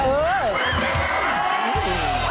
เออ